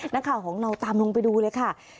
นักข่าวของเราตามลงไปดูเลยค่ะ